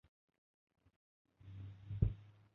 so‘z erkinligi borasida chegaradan chiqqan bo‘lishi mumkin